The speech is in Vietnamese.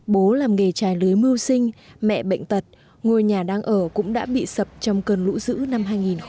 bố làm nghề trái lưới mưu sinh mẹ bệnh tật ngôi nhà đang ở cũng đã bị sập trong cơn lũ dữ năm hai nghìn một mươi